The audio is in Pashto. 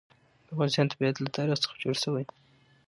د افغانستان طبیعت له تاریخ څخه جوړ شوی دی.